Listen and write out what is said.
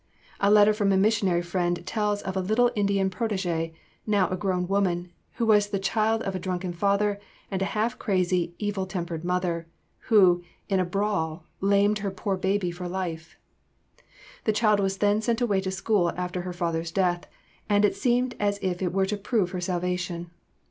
A letter from a missionary friend tells of a little Indian protege, now a grown woman, who was the child of a drunken father and a half crazy, evil tempered mother, who, in a brawl, lamed her poor baby for life. The child was sent away to school after her father's death, and it seemed as if it were to prove her salvation.